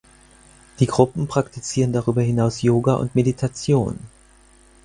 Die Gruppen praktizieren darüber hinaus Yoga und Meditation.